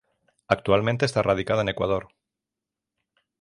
Actualmente, está radicada en Ecuador.